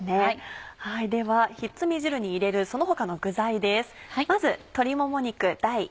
ではひっつみ汁に入れるその他の具材です。